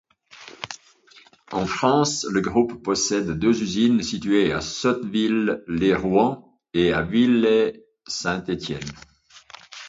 En France, le groupe possède deux usines, situées à Sotteville-lès-Rouen et à Villey-Saint-Étienne.